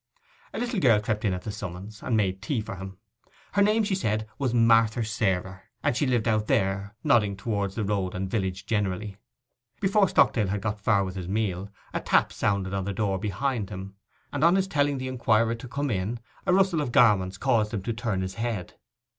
A little girl crept in at the summons, and made tea for him. Her name, she said, was Marther Sarer, and she lived out there, nodding towards the road and village generally. Before Stockdale had got far with his meal, a tap sounded on the door behind him, and on his telling the inquirer to come in, a rustle of garments caused him to turn his head.